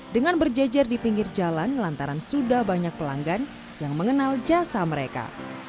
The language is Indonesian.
dengan berjejer di pinggir jalan lantaran sudah banyak pelanggan yang mengenal jasa mereka